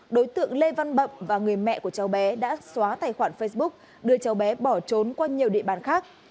đối tượng lê văn bậm và người mẹ của cháu bé đã xóa tài khoản facebook đưa cháu bé bỏ trốn qua nhiều địa bàn khác